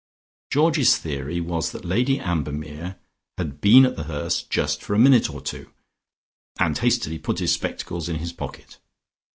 Georgie's theory was that Lady Ambermere had been at The Hurst just for a minute or two, and hastily put his spectacles in his pocket.